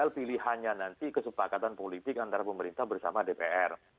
pilihannya nanti kesepakatan politik antara pemerintah bersama dpr